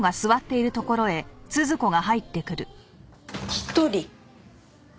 １人？